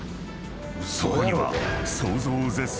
［そこには］